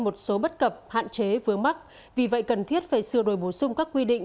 một số bất cập hạn chế vướng mắc vì vậy cần thiết phải sửa đổi bổ sung các quy định